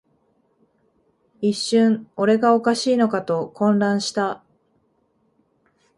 一瞬、俺がおかしいのかと混乱した